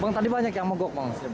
bang tadi banyak yang mogok bang